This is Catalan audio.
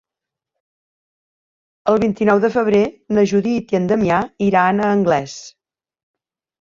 El vint-i-nou de febrer na Judit i en Damià iran a Anglès.